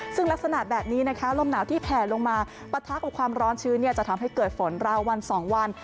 ซึ่งลักษณะแบบนี้นะคะลมหนาวที่แผ่ลงมาปะทะกับความร้อนชื้นจะทำให้เกิดฝนราววัน๒วัน